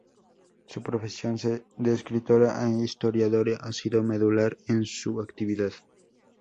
Su profesión de escritora e historiadora ha sido medular en su actividad.